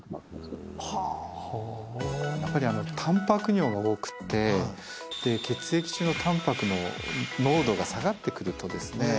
やっぱりたんぱく尿が多くってで血液中のたんぱくの濃度が下がってくるとですね